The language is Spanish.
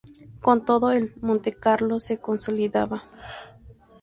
Con todo, el Montecarlo se consolidaba.